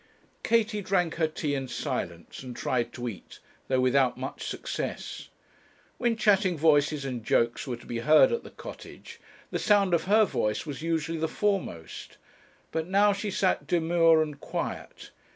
Katie drank her tea in silence, and tried to eat, though without much success. When chatting voices and jokes were to be heard at the Cottage, the sound of her voice was usually the foremost; but now she sat demure and quiet.